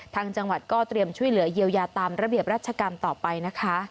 ทางจังหวัดก็เตรียมช่วยเหลือเยียวยาตามระเบียบราชการต่อไปนะคะ